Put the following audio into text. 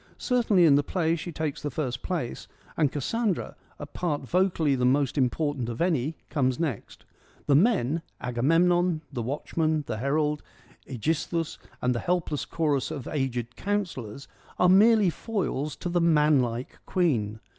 Certainly in the play she takes the first place, and Cassandra, a part vocally the most important of any, comes next. The men, Agamemnon, the Watchman, the Herald, iEgisthus, and the helpless chorus of aged councillors, are merely foils to the ' manlike ' queen.